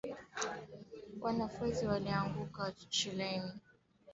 Wilson alishawishi mataifa mengine kuanzisha Shirikisho la Mataifa